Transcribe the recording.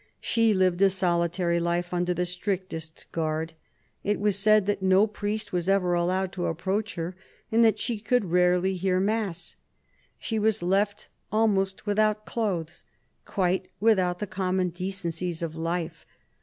She lived a solitary life under the strictest guard. It was said that no priest was ever allowed to approach her, and that she could rarely hear mass. She was left almost without clothes, quite without the common decencies of life.